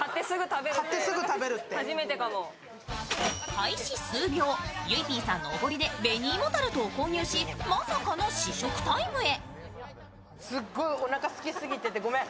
開始数秒、ゆいＰさんのおごりで紅芋タルトを購入し、まさかの試食タイムへ。